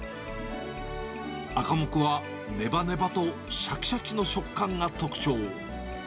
アカモクは、ねばねばとしゃきしゃきの食感が特徴。